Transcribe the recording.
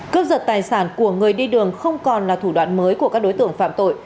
cướp giật tài sản của người đi đường không còn là thủ đoạn mới của các đối tượng phạm tội